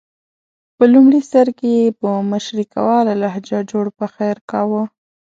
په لومړي سر کې یې په مشرقیواله لهجه جوړ پخیر کاوه.